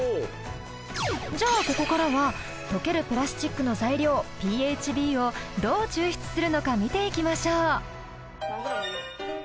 じゃあここからは溶けるプラスチックの材料ＰＨＢをどう抽出するのか見ていきましょう。